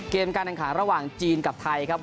เกมการต่างข่าวระหว่างจีนกับไทยครับ